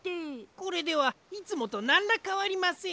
これではいつもとなんらかわりません。